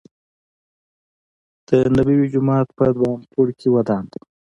دنبوی جومات په دویم پوړ کې ودان دی.